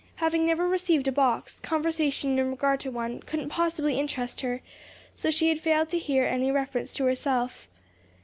Having never received a box, conversation in regard to one couldn't possibly interest her, so she had failed to hear any reference to herself.